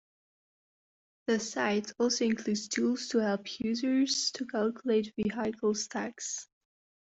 The site also includes tools to help users to calculate vehicle tax.